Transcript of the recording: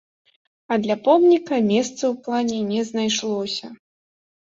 А для помніка месца ў плане не знайшлося.